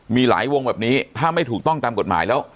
มีหลายวงแบบนี้ถ้าไม่ถูกต้องตามกฎหมายแล้ว